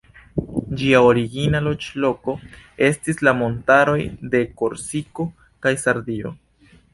Ĝia origina loĝloko estis la montaroj de Korsiko kaj Sardio.